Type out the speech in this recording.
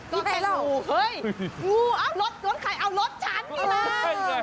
ก็แค่งูเฮ้ยงูรถรถใครรถฉันพี่บ้า